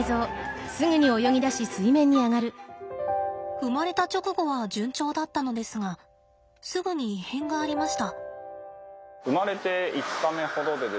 生まれた直後は順調だったのですがすぐに異変がありました。